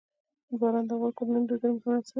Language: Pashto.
باران د افغان کورنیو د دودونو مهم عنصر دی.